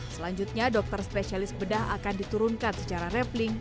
selanjutnya dokter spesialis bedah akan diturunkan secara rafling